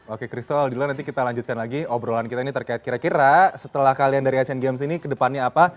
oke christo aldila nanti kita lanjutkan lagi obrolan kita ini terkait kira kira setelah kalian dari asian games ini ke depannya apa